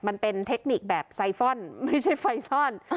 มันเป็นเทคนิคแบบไซฟอลไม่ใช่ไฟซอล